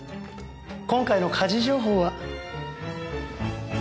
今回の家事情報は。